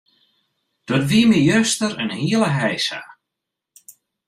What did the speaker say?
Dat wie my juster in hiele heisa.